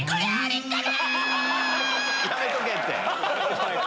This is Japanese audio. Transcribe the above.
やめとけって！